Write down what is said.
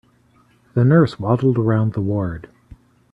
The nurse waddled around the ward.